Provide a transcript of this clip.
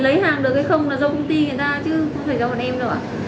lấy hàng được hay không là do công ty người ta chứ không phải do bạn em đâu ạ